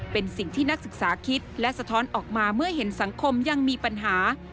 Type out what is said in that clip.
เป็นสิ่งที่นักศึกษาคิดและสะท้อนออกมาเมื่อเห็นสังคมยังมีปัญหา